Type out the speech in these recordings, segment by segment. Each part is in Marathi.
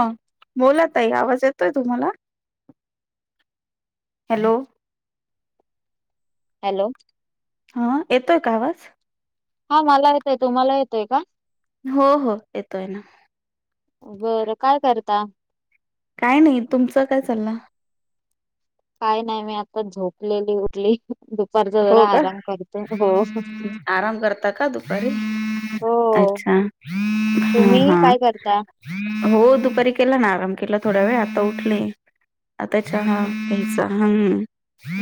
हा बोला ताई, आवाज येतोय तुम्हाला? हॅलो हॅलो हा येतोय का आवाज? हा मला येत आहे तुम्हाला येतय का? हो हो येतोय ना. कोणता? काय नाही तुमचं काय चाललं? काय नाही, मी आता झोपलेली उठली. दुपारचा जरा हो का, आराम करते हो आराम करता का दुपारी. हो अच्छा हा तुम्ही हा. काय करता हो दुपारी केला ना आराम केला थोड्या वेळ आता उठले. आता मी चहा पण घ्यायचा हम.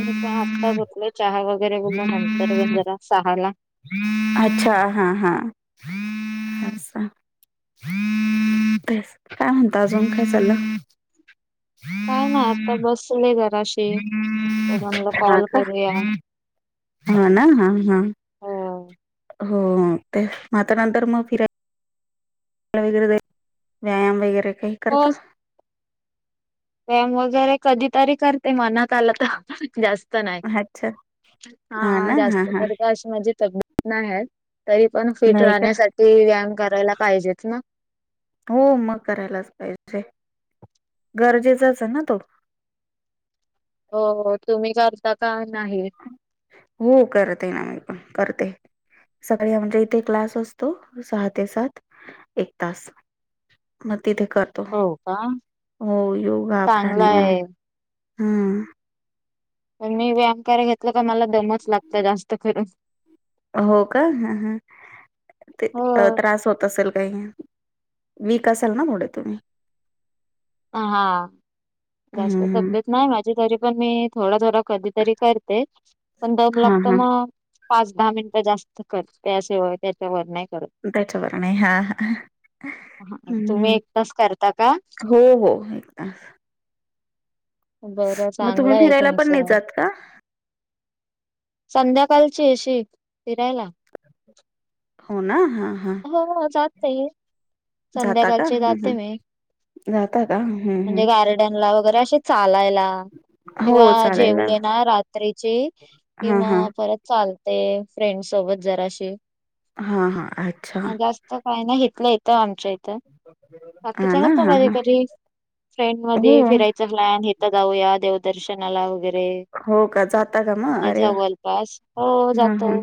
मी पण आत्ता झोपले चहा वगैरे बोललं नंतर ब जरा सहा ला अच्छा, हा हा अस तेच काय म्हणता अजून, काय चालं? काय ना आता बसले जराशी, तर म्हणल हा कॉल का करूया. हा ना हा हा. हो हो ते मात्र नंतर मग फिराय वगैरे व्यायाम वगैरे काही हो करता? व्यायाम वगैरे कधीतरी करते मनात आला तर जास्त नाही अच्छा हा ना हा जास्त हा का अशी माझी तब्येत नाही आहे. तरी पण फिट नाही का राहण्यासाठी व्यायाम करायला पाहिजेत ना. हो मग करायलाच पाहिजे. गरजेचाच आहे ना तो. हो तुम्ही करता का? नाही? हो करत आहे ना मी पण करते. सगळ म्हणजे इथे क्लास असतो सहा ते सात. एक तास मग तिथे करतो हो का हो योगा चांगला प्राणायाम. आहे हम मी व्यायाम के घेतलं का मला दमच लागत जास्त कररून हो का ह ह ते हो. त्रास होत असेल काही. वी कसाल ना मुडे तुम्ही. हा जास्त हम्म तब्येत नाही माझी. तरी पण मी थोडा थोडा कधीतरी करते. पण दम हा लागतो हा मग. पाच दहा मिनटं जास्त करते. त्याशिवाय त्याच्यावर नाही. करत त्याच्यावर नाही. हा हा हा, हम्म तुम्ही हम्म एक तास करता का? हो हो एक तास. बरं चांगलं आहे फिरायला पण नाही तुमचं. जात का संध्याकाळ ची अशी फिरायला. हो ना हा हा हो हो जात नाहीये. जाता का संध्याकाळचे हं, हं. जाते मी. जाता का हं, म्हणजे हं. गार्डनला वग चालायला हो किंवा चालायला जेवले ना रात्रीची कि हा हा मग परत चालते. ते फ्रेंड सोबत जराशी हा हा अच्छा. जास्त काय नाही इथल्या इथ आमच्या इथ [unintelligible] हा बाकीच्यांना ना होत हा कधी हा तरी फ्रेंड हो मध्ये फिरायचं प्लॅन हीथ जाऊया देव दर्शनाला वगैरे हो का जाता का मग म्हणजे अरे वा जवळपास हो हं जातो. हं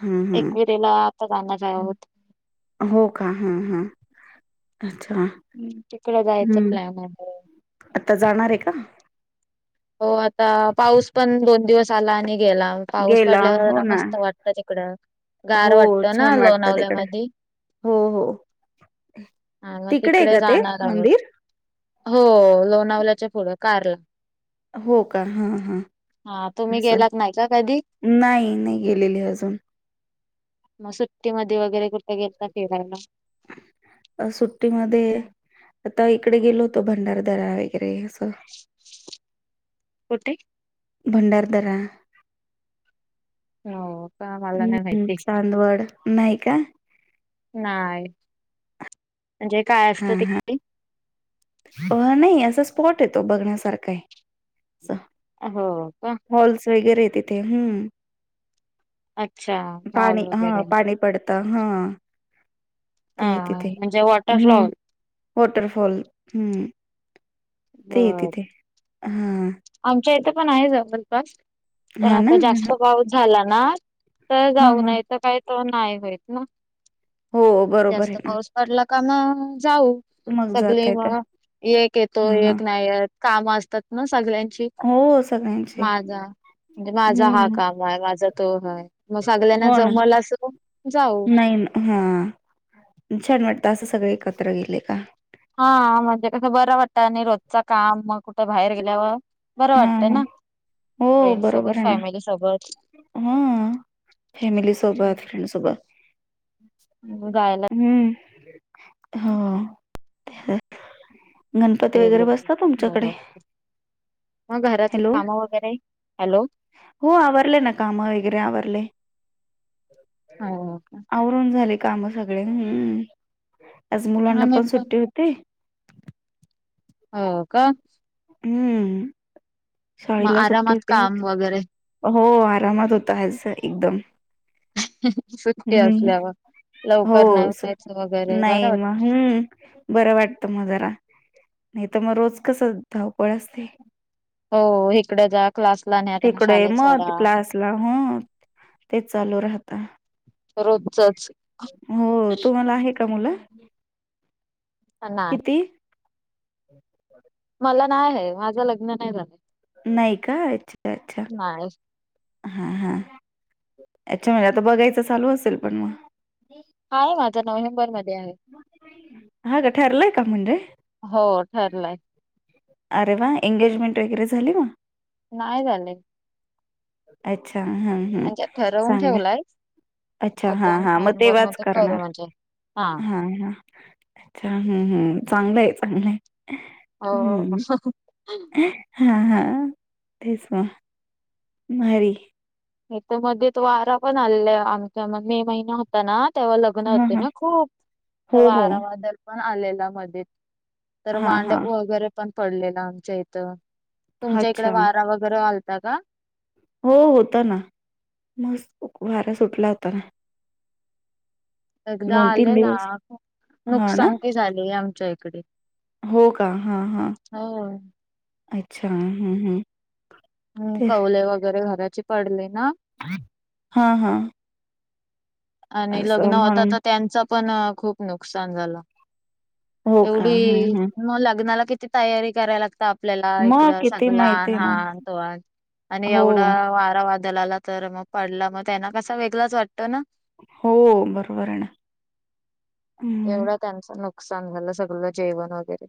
हं हं एकविरेला आता जाणार आहोत. हो का ह ह अच्छा हम्म तिकड जायचं हम्म प्लॅन आहे. हो. आता जाणार आहे का? हो आता पाऊस पण दोन दिवस आला आणि गेला पाऊस गेला पडल्यावर हो येणा ना मस्त वाटत तिकड. हो गार वाटत ना छान वाटतं लोणावल्या तिकडे मधी. हो हो हा मग आहे तिकडे का ते जाणार आहोत. मंदिर हो लोणावल्याच्या पुढं कार्ला हो ह ह तुम्ही अस गेलात का कधी नाही नाही गेलेली अजून. मग सुट्टी मध्ये वगैरे कु अ सुट्टीमध्ये आता इकडे गेलो होतो. भंडारदरा वगैरे असं. कुठे? भंडारदरा हो का मला नाही हम्म माहिती. चांदवड नाही का नाही म्हणजे काय असतं ते कधी अ नाही असा स्पॉट आहे तो. बघण्यासारखा आहे. असं. हो का? फॉल्स वगैरे तिथे हम्म अच्छा मॉल पाणी वगैरे हा आहे का? पाणी पडत. हा ते हा तिथे म्हणजे हम्म वॉटरफ्लॉवर वॉटर फॉल ते आहे तिथे. बर ह आमच्या इथे पण आहे ज जवळपास. पण हां ना, आता जास्त पाऊस झाला ना तर हां, जाऊन हां. तर काही त नाही होत ना हो बरोबर आहे जास्त ना पाऊस पडला. जाऊ मग सगळे जाता जण. येतं. म एक येतो. हां, हां. एक नाही येत. काम असतात ना सगळ्यां हो सगळ्यांचे माझा म्हणजे माझा हा हम्म, काम आहे. माझा तो आहे. हो ना. जाऊ नाही न. हा छान वाटत. त असं सगळे एकत्र गेले का. हा म्हणजे कस बर वाटतं आणि रोजच काम मग कुठे बाहेर गेल्यावर- बरं हां, वाटतय हां. ना? हो फ्रेंड्स बरोबर सोबत आहे ना फॅमिली सोबत हा- फॅमिली सोबत फ्रेंड सोबत जायला हम्म होा गणपती वगैरे गेले की बसताात तुमच्याकडे बरोबर मग घरातली हॅलो कामं वगैरे हॅलो हो आवरले ना काम वगैरे आवरले [inaudible] हो का आवरून झाले काम सगळे हम्म आज मुलांना पण सुट्टी होती हो का हम्म मग शाळेला सुट्टी आरामात होते काम वगैरे हो आरामात होत आज एकदम सुट्टी हम्म. असल्यावर हो लवकर नाही उठायचं वगैरे बरं नाही वाट मग हम्म बरं वाटतं म जरा नाही तर मग रोज कस धावपळ असते हो इकडं जाग तिकड मत क्लास ला मत ते चालू राहता रोजचच हो तुमला आहे का मुलं नाही किती मला नाही आहे माझं लग्न नाही झालं नाही का अच्छा अच्छा नाही हा हा याच्यामुळे आता बघायचं चालू असेल पण मग आहे माझं नोव्हेंबर मध्ये आहे हा का ठरलंय का म्हणजे हो ठरलाय अरे वा एंगेजमेंट वगैरे झाली म नाही झाले अच्छा हम्म हम्म ठरवून सांगा ठेवलाय अच्छा हा आता हा मग नोव्हेंबर ते्हाच मध्ये करू करणार म्हणजे हा हा अच्छा हम्् चांगलं आहे चांगलंय अ हा हा तेच माारी इथ मध्येेत वारा पण आलाय आमच्या मग मे महिना होता ना तेव्हा लग्न हां, होते हां. ना खूप हो, हो. वारा वादल पण आलेला मध्ये तर हां, मांड हां. वगैरे पण पडलेलं आमच्या इथं तुमच्या इकडे अच्छा. वारा वगैरे घालता का हो होता ना मस्त वारा सुटला होता ना एकदा आलेला दिवस. हां ना? नुकसान क झाले आमच्या इकडे हो का हा हा हो अच्छा हम् हम्म हम् कवले वगैरे घराची पडले ना हा हा आणि लग्न होता तर त्यांचं पण खूप नुकसान झालं हो का? हं, एवढी हं. मग लग्नाला किती तयारी करायला लागत आपल्याला इकड मग किती सग माहिती लहान आहे ना. लह तो आणि हो. एवढा वारावार दलाला तर मग पडला मग त्यांना कसा वेगळाच वाटतं ना हो बरोबर आहे ना हम्म. एवढं त्यांचं नुकसान झालं सग जेवण वगैरे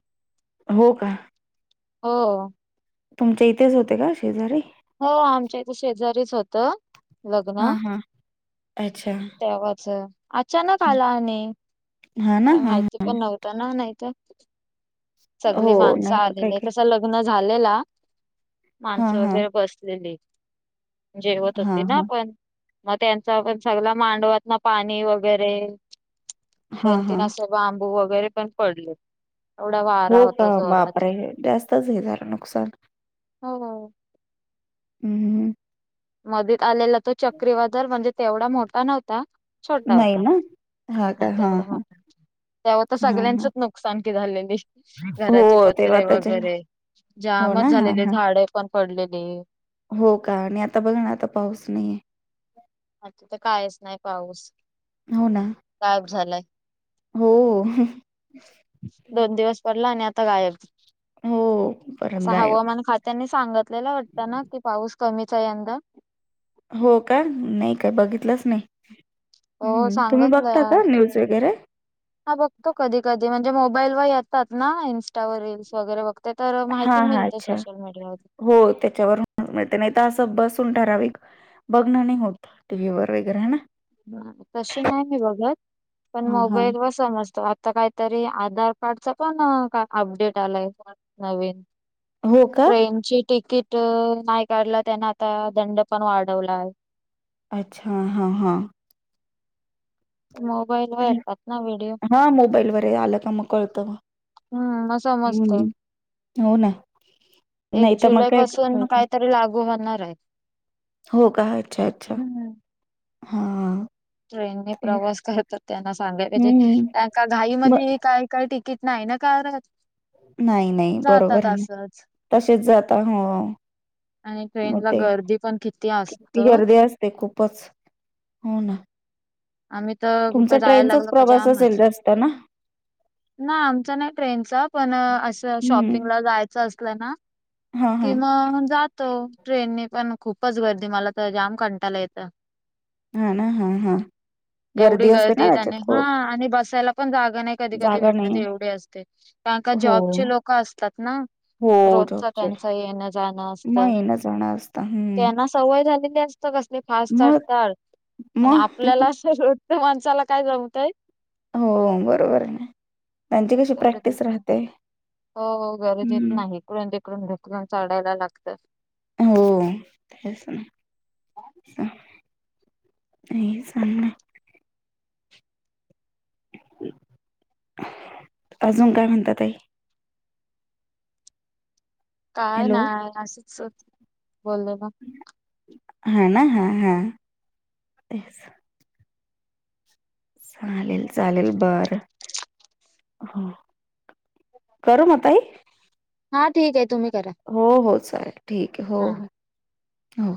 हो का हो तुमच्या इथेच होते का शेजारी हो आमच्या इथं शेजारीच होतं. लग्न हां, हां. अच्छा. तेव्हाच अचानक आला आणि हां ना, काय हां, माहिती हां. पण नव्हत ना नाहीत सगली हो, माणसं नाही तर काय आलेली काय तस लग्न झालेला. हां, माणसं हां. वगैरे दिली. जेवत हां, होते ना हां. आपण. मग त्यांच पण सगळ मांडवत ना पाणी वगैरे हां, दोन तीन हां. असे बांबू वगैरे पण पडलेत. हो का बापरे! जास्तच हे झालं नुकसान. हो. हम्म हम्म. मधित आलेला तो चक्रीवादळ म्हणजे तेवढा मोठा नव्हता. छोटा नाही होता ना. हां का? नाही ते हां, एवढं हां. नव्हतं त्यावेळी तर हां, हां. सगळ्यांचंच नुकसान की झालेली. घराची हो, तेव्हा पत्रे त्याच्या वगैरे हो ना? जामच हां, झालेली, हां. झाडे पण पडलेली. हो का आणि आता बघ ना आता पाऊस नाहीये. आता तर कायच नाही पाऊस हो ना? गायब झालाय. हो. दोन दिवस पडला आणि आता गायब हो. परत असा गायब. हवामान खात्यानेच सांगितलेला वाटत ना की पाऊस कमीच आहे यंदा. हो का नाही काय बघितलंच नाही. हो हं, तुम्ही बघता सांगतलं का न्यूज वगैरे? हा बघतो कधी कधी म्हणजे मो बाईल वर येतात ना इंस्टावर रील्स वगैरे बघतात. हा हा अच्छा हो त्याच्यावर नाही तर असं बसून ठराविक बघण नाही होत टी व्ही वर वगैरे ना. ह तशी नाही मी बघत पण हां, हां. मोबाईल व समजतो आ आत काहीतरी आधार कार्डचा पण का अपडेट आलाय नवीन हो का? ट्रेनची तिकीट नाही काढला त्यांन आता दंड पण वाढवला आहे. अच्छा हा हा. मोबाईल वर येतात ना व्हिडिओ. हां, मोबाईलवर हे आलं का मग कळतं मग. हम्म समजत. हं. हो ना. नाही एक तर मग जुलै काय पासून कळत नाही. काहीतरी लागू होणार आहे. हो का अच्छा अच्छा हम्म हा. ट्रेनने प्रवास करत त्यांना सांगाय पाहिजे हं. त्यां मग घाईमध्ये काय काय टी किट नाही ना काढत. नाही नाही बरोबर जातात आहे. असंच. तसेच जाता हो. आणि मग ट्रेनला ते गर्दी पण किती असत किती गर्दी असते खू पच हो ना. आम्ही तर तुमचा कुठं जायला ट्रेनचाच लागलो का प्रवास असेल जामच जास्त ना? ना आमचा नाही ट्रेनचा पण असं हं. शॉपिंगला जायचं असलं ना हां, हां. किंवा जात तो ट्रेननी पण खूपच गर्दी मला तर जाम कंटाला येतं. हा ना हा हा एवढी गर्दी असते ना गर्दीत आणि त्याच्यात हा खूप. आणि बसायला पण जागा नाही कधी कधी जागा भेटत नाही एवढे असते, कारण का हो जॉबचे लोक असतात ना. हो रोजच जॉबचे त्यांच येण जाणं असत. मग येन जाणं असतं हम्म त्यांना सवय झाली कसली फस्ट मग ढढ आणि मग आपल्याला सर्वत माणसाला काय जमतय. हो बरोबर आहे. त्यांची कशी प्रॅक्टिस गर्दीत राहते. हो गरजेत हम्म नाही इकडून तिकडून ढकलून चचाढायला लागतं. हो तेच ना. नाही ना अजून काय म्हणतातई काय हॅलो नाही असशीच बोलले ब हा ना हा हा ते चालेल चालेल बरं हो करू म ताई हा ठीक आहे तुम्ही करा हो हो चालेल ठीक आहे हो हा. हो हो